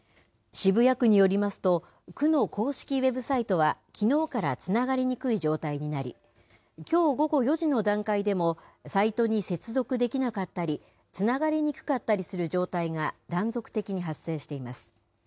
渋谷区によりますと、区の公式ウェブサイトは、きのうからつながりにくい状態になり、きょう午後４時の段階でも、サイトに接続できなかったり、つながりにくかったりする状態が断続的に発生しています。